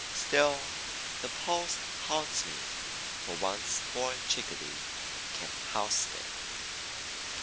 Still, the post haunts me for once Boy Chickadee kept house there.